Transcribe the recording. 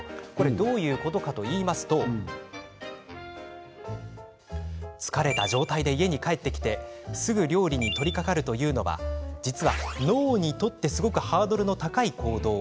どういうことかというと疲れた状態で家に帰ってきてすぐ料理に取りかかるというのは実は脳にとってすごくハードルの高い行動。